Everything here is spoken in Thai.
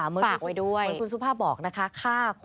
เมื่อคุณสุภาพบอกนะคะ